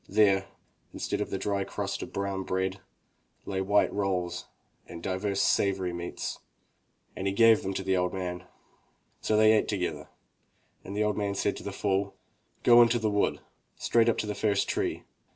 There, instead of the dry crust of brown bread, lay white rolls and divers savory meats, and he gave of it to the old man. So they ate together and the old man said to the fool: "Go into the wood, straight up to the first tree.